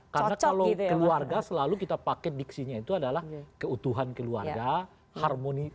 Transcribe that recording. karena kalau keluarga selalu kita pakai diksinya itu adalah keutuhan keluarga harmonisasi keluarga kan kira kira gitu ya